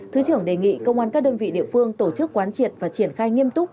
thứ trưởng đề nghị công an các đơn vị địa phương tổ chức quán triệt và triển khai nghiêm túc